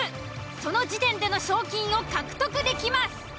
その時点での賞金を獲得できます。